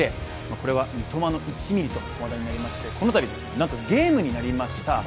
これは「三笘の１ミリ」と話題になりまして、このたびなんとゲームになりました